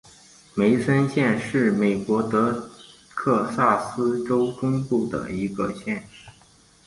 梅森县是美国德克萨斯州中部的一个县。